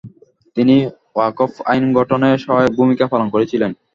তিনি ওয়াক্ফ আইন গঠনে সহায়ক ভূমিকা পালন করেছিলেন।